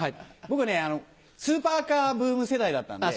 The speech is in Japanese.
僕ねスーパーカーブーム世代だったんで。